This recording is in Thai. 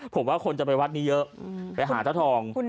ผมว่าคนจะไปวัดนี้เยอะไปหาเจ้าทอง